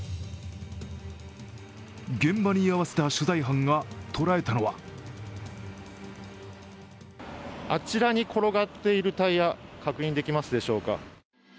現場に居合わせた取材班が捉えたのはあちらに転がっているタイヤ確認できますでしょうか。